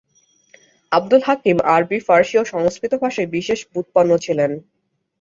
আবদুল হাকিম আরবি, ফারসি ও সংস্কৃত ভাষায় বিশেষ ব্যুৎপন্ন ছিলেন।